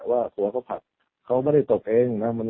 ว่าหัวเขาผลักเขาไม่ได้ตบเองนะ